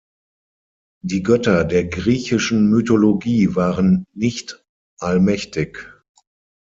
Die Götter der griechischen Mythologie waren "nicht" allmächtig.